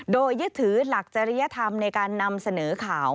โดยยึดถือหลักจริยธรรมในการนำเสนอข่าว